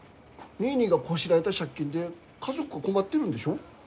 ニーニーがこしらえた借金で家族困ってるんでしょ？